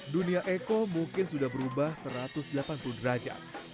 dunia eko mungkin sudah berubah satu ratus delapan puluh derajat